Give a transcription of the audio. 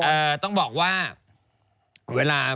เอ่อต้องบอกว่า